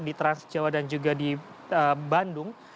di transjawa dan juga di bandung